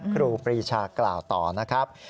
ครูปรีชากล่าวต่อนะครับ